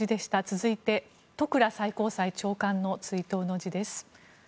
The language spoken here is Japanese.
続いて戸倉最高裁長官の追悼の辞です。